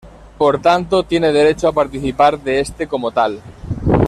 Por tanto tiene derecho a participar de este como tal.